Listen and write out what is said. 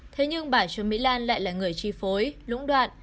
thế nhưng bà trương mỹ lan lại là người chi phối lũng đoạn